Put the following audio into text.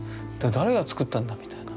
誰が作ったんだみたいな。